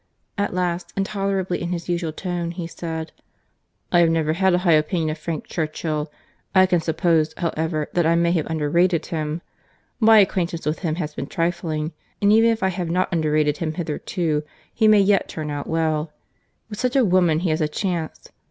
At last, and tolerably in his usual tone, he said, "I have never had a high opinion of Frank Churchill.—I can suppose, however, that I may have underrated him. My acquaintance with him has been but trifling.—And even if I have not underrated him hitherto, he may yet turn out well.—With such a woman he has a chance.